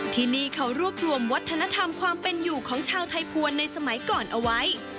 ที่นี่เขารวบรวมวัฒนธรรมความเป็นอยู่ของชาวไทยภวรในสมัยก่อนเอาไว้